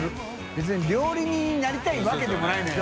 未料理人になりたい訳でもないのよ。